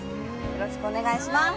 よろしくお願いします